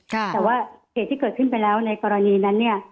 แต่ว่าเหตุที่เกิดขึ้นไปแล้วในกรณีนั้นเนี่ย